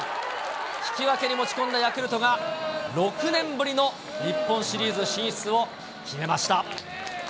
引き分けに持ち込んだヤクルトが、６年ぶりの日本シリーズ進出を決めました。